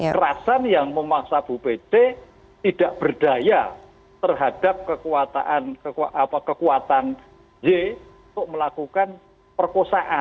kerasan yang memaksa bupt tidak berdaya terhadap kekuatan y untuk melakukan perkosaan